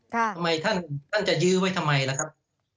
ทำไมท่านจะยื้อไว้ทำไมล่ะครับ